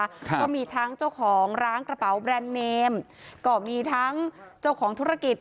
ก็มีทั้งเจ้าของร้านกระเป๋าแบรนด์เนมก็มีทั้งเจ้าของธุรกิจ